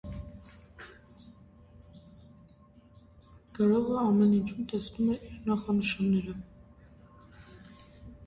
Գրողը ամեն ինչում տեսնում է նախանշաններ։